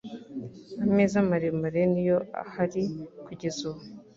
Ameza maremare niyo ahari kugeza ubu